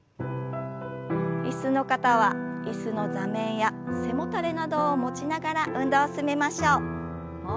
椅子の方は椅子の座面や背もたれなどを持ちながら運動を進めましょう。